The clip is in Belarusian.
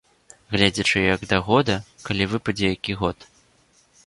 Гледзячы як да года, калі выпадзе які год.